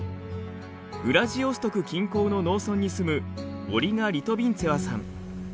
ウラジオストク近郊の農村に住むオリガ・リトビンツェワさん。